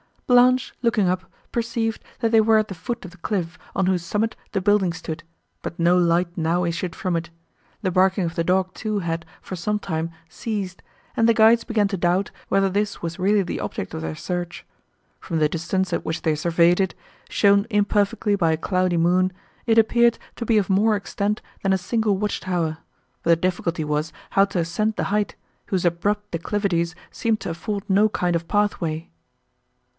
Blanche, looking up, perceived, that they were at the foot of the cliff, on whose summit the building stood, but no light now issued from it; the barking of the dog too had, for some time, ceased, and the guides began to doubt, whether this was really the object of their search. From the distance, at which they surveyed it, shown imperfectly by a cloudy moon, it appeared to be of more extent than a single watch tower; but the difficulty was how to ascend the height, whose abrupt declivities seemed to afford no kind of pathway.